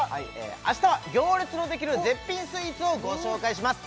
明日は行列のできる絶品スイーツをご紹介します